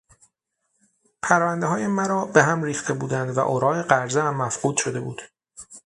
پروندههای مرا بههم ریخته بودند و اوراق قرضهام مفقود شده بود.